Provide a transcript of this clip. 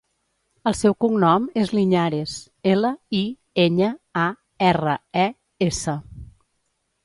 El seu cognom és Liñares: ela, i, enya, a, erra, e, essa.